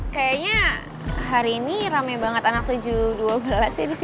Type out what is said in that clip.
kayaknya hari ini rame banget anak tujuh ratus dua belas ya disini